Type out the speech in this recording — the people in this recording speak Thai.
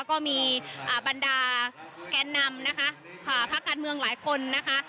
ก็มีบรรดาแกนนำนะคะพักการเมืองหลายคนนะคะ